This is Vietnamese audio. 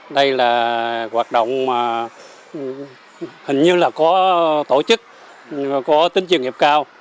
đây là hoạt động hình như là có tổ chức có tính trường nghiệp cao